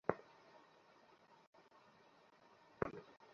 তবে, আমি যা বলছি ঠিক তেমনই করো।